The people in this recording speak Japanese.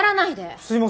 すいません